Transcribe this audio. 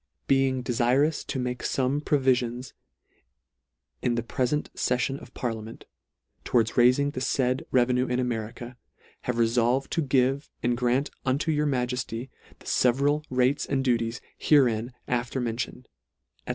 being defirous to make fome provifion in the prefent feifion of parliament, towards raifing the faid revenue in America, have refolved to give and grant unto your Ma jefty the feveral rates and duties herein after mentioned," &c.